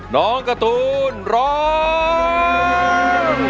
น้องการ์ตูนร้อง